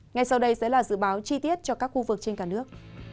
ngay sau đây sẽ là dự báo chi tiết cho các khu vực trên cả nước